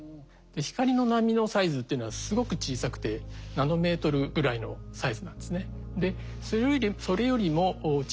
光の波のサイズっていうのはすごく小さくてナノメートルぐらいのサイズなんですね。